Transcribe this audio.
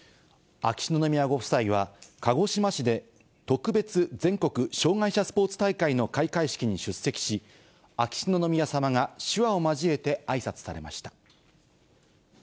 秋篠宮ご夫妻は、鹿児島市で、特別全国障害者スポーツ大会の開会式に出席し、秋篠宮さまが手話を交えてあいさつされました。